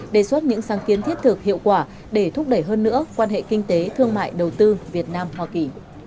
đề xuất những sáng kiến thiết thực hiệu quả để thúc đẩy hơn nữa quan hệ kinh tế thương mại đầu tư việt nam hoa kỳ